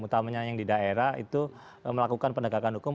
utamanya yang di daerah itu melakukan penegakan hukum